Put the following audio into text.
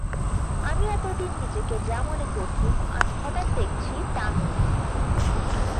আমি এতদিন নিজেকে যা মনে করতুম আজ হঠাৎ দেখছি তা নই।